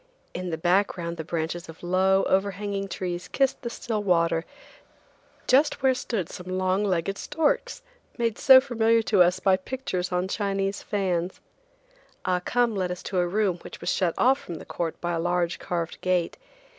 In the background the branches of low, overhanging trees kissed the still water just where stood some long legged storks, made so familiar to us by pictures on Chinese fans. Ah Cum led us to a room which was shut off from the court by a large carved gate.